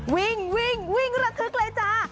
วิ่งวิ่งระทึกเลยจ้า